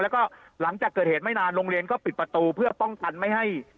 แล้วก็หลังจากเกิดเหตุไม่นานโรงเรียนก็ปิดประตูเพื่อป้องกันไม่ให้